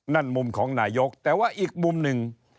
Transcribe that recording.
มุมของนายกแต่ว่าอีกมุมหนึ่ง